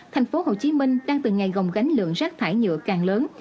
tp hcm đang từng ngày gồng gánh lượng rác thải nhựa càng lớn